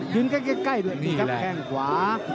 ยืนใกล้ด้วยดีครับแท่งขวา